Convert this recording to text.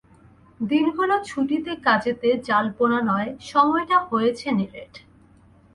দিনগুলো ছুটিতে কাজেতে জাল-বোনা নয়, সময়টা হয়েছে নিরেট।